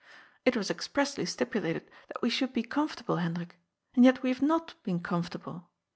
It was expressly stipulated that we should be com fortable, Hendrik, and yet we have not been comfort able.